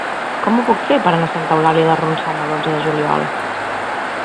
Com ho puc fer per anar a Santa Eulàlia de Ronçana l'onze de juliol?